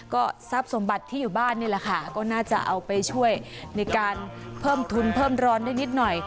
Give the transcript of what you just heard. ก็ทรัพย์สมบัติที่อยู่บ้านนี่แหละค่ะก็น่าจะเอาไปช่วยในการเพิ่มทุนเพิ่มร้อนได้นิดหน่อย